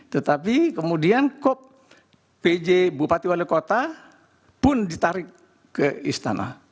tetapi kemudian kop pj bupati wali kota pun ditarik ke istana